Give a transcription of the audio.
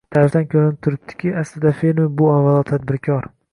Ta’rifdan ko‘rinib turibdiki, aslida fermer bu avvalo — tadbirkor.